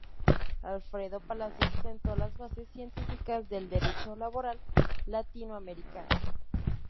Alfredo Palacios, sentó las bases científicas del derecho laboral latinoamericano.